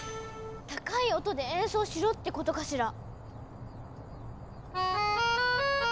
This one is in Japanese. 高い音で演奏しろってことかしら？